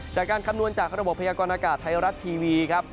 คำนวณจากระบบพยากรณากาศไทยรัฐทีวีครับ